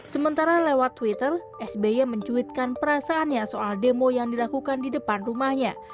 sementara lewat twitter sby mencuitkan perasaannya soal demo yang dilakukan di depan rumahnya